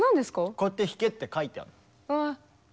こうやって弾けって書いてある。